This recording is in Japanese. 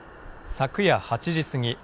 昨夜８時過ぎ。